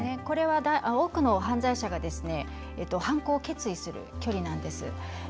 これは多くの犯罪者が犯行を決意する距離なんです。